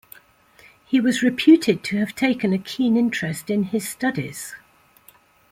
He was reputed to have taken a keen interest in his studies.